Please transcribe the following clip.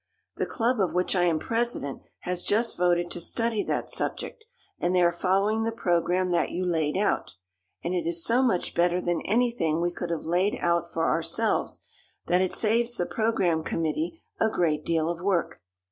The club of which I am president has just voted to study that subject, and they are following the program that you laid out, and it is so much better than anything that we could have laid out for ourselves that it saves the program committee a great deal of work.